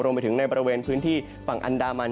รวมไปถึงในบริเวณพื้นที่ฝั่งอันดามัน